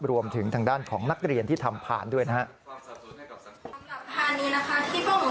รวมถึงทางด้านของนักเรียนที่ทำผ่านด้วยนะครับ